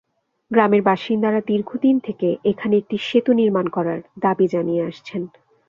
গ্রামের বাসিন্দারা দীর্ঘদিন থেকে এখানে একটি সেতু নির্মাণ করার দাবি জানিয়ে আসছেন।